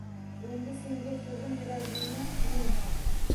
Endi senga so‘zim: yuragingni yeng